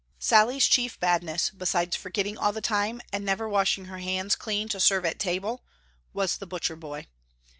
Sallie's chief badness besides forgetting all the time and never washing her hands clean to serve at table, was the butcher boy.